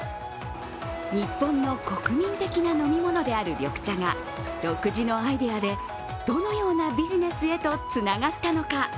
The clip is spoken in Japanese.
日本の国民的な飲み物である緑茶が独自のアイデアでどのようなビジネスへとつながったのか。